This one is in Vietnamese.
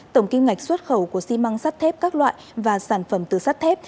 tổng kim ngạch xuất khẩu của xi măng sắt thép các loại và sản phẩm từ sắt thép